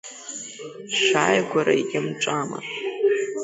Шәааигәара иамҵәама?